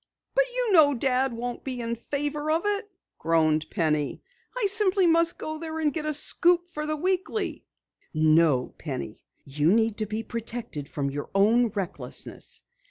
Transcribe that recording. "But you know Dad won't be in favor of it," groaned Penny. "I simply must go there and get a scoop for the Weekly." "No, Penny, you need to be protected from your own recklessness.